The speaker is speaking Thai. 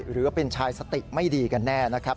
หรือเป็นชายสติไม่ดีกันแน่นะครับ